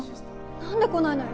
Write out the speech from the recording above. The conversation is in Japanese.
何で来ないのよ